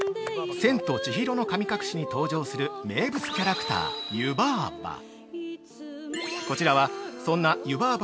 ◆「千と千尋の神隠し」に登場する名物キャラクター湯婆婆。